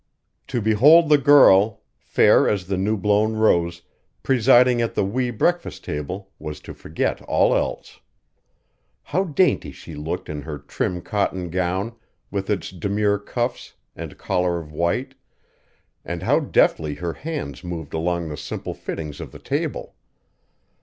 To behold the girl, fair as the new blown rose, presiding at the wee breakfast table was to forget all else. How dainty she looked in her trim cotton gown, with its demure cuffs and collar of white, and how deftly her hands moved among the simple fittings of the table!